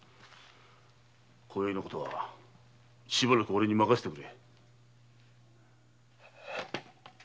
今宵のことはしばらく俺に任せてくれ。